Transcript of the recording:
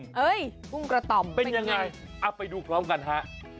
เฮ้ยกุ้งกระต่อมเป็นยังไงเอาไปดูพร้อมกันฮะ